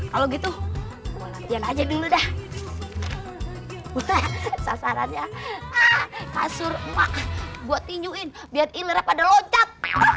kalau gitu aja dulu dah sasarannya kasur maka buat inuin biar ilerah pada loncat